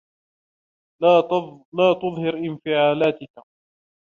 لا تظهر انفعالاتك.